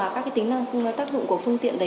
các tính năng tác dụng của phương tiện